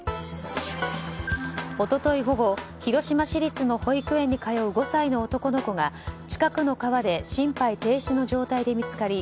一昨日午後広島市立の保育園に通う５歳の男の子が近くの川で心肺停止の状態で見つかり